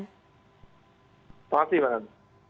terima kasih pan